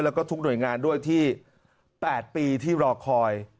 แล้วก็ทุกหน่วยงานด้วยที่๘ปีที่รอคอย